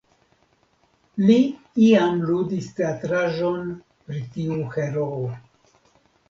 Li iam ludis teatraĵon pri tiu heroo.